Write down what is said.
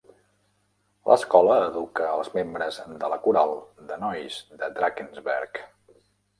L'escola educa els membres de la coral de nois de Drakensberg.